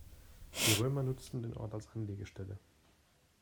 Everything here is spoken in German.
Die Römer nutzten den Ort als Anlegestelle.